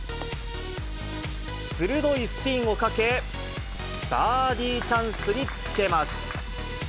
鋭いスピンをかけ、バーディーチャンスにつけます。